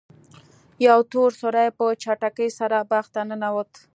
یو تور سیوری په چټکۍ سره باغ ته ننوت.